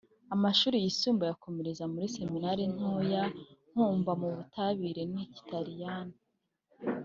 amashuri yisumbuye ayakomereza muri Seminari nto ya Nkumba mu Butabire n’Ikilatini